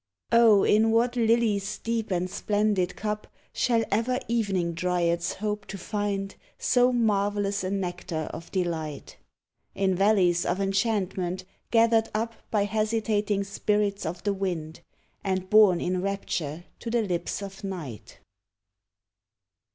Oh! in what lily's deep and splendid cup Shall ever evening dryads hope to find So marvellous a nectar of delight — In valleys of enchantment gathered up By hesitating spirits of the wind, And borne in rapture to the lips of Night*?